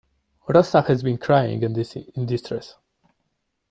Rosa has been crying and is in distress.